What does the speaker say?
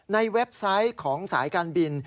เว็บไซต์ของสายการบิน